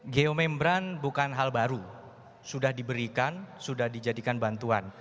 geomembran bukan hal baru sudah diberikan sudah dijadikan bantuan